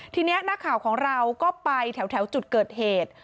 ทีนี้นักข่าวของเราก็ไปแถวจุดเกิดเหตุ